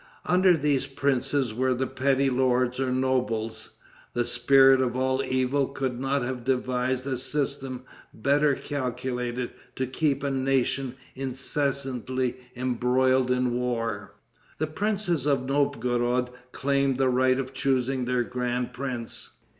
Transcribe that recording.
Under these princes were the petty lords or nobles. The spirit of all evil could not have devised a system better calculated to keep a nation incessantly embroiled in war. The princes of Novgorod claimed the right of choosing their grand prince.